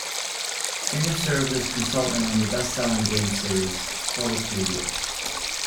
Singer served as consultant on the bestselling game series "Call of Duty".